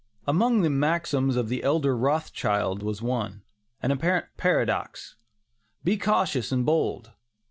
Among the maxims of the elder Rothschild was one, an apparent paradox: "Be cautious and bold."